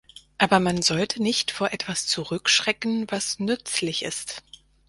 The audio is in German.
Aber man sollte nicht vor etwas zurückschrecken, was nützlich ist.